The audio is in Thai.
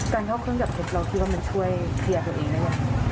การเข้าเครื่องจับเท็จเราคิดว่ามันช่วยเคลียร์ตัวเองได้ไหม